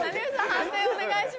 判定お願いします。